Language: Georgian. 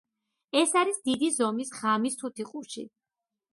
ეს არის დიდი ზომის ღამის თუთიყუში.